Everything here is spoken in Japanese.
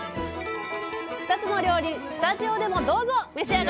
２つの料理スタジオでもどうぞ召し上がれ！